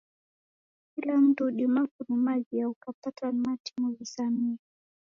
Kila mundu udima kurumaghia ukapatwa ni matimo ghizamie